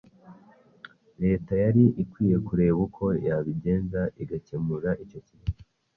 Leta yari ikwiye kureba uko yabigenza igakemura icyo kibazo.